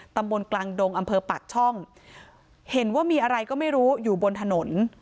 ตำบลกลางดงอำเภอปากช่องเห็นว่ามีอะไรก็ไม่รู้อยู่บนถนน